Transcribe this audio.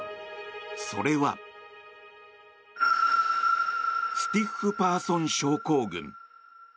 それはスティッフパーソン症候群。